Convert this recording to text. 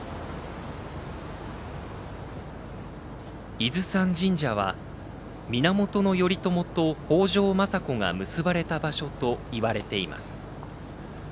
伊豆山神社は源頼朝と北条政子が結ばれた場所といわれています。